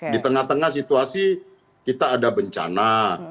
di tengah tengah situasi kita ada bencana